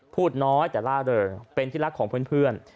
พูดน้อยแต่ล่าเริงเป็นที่รักของเพื่อน